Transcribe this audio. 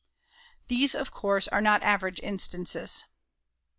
These, of course, are not average instances.